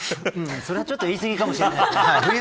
それはちょっと言い過ぎかもしれないけど。